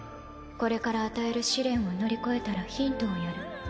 これから与える試練を乗り越えたらヒントをやる。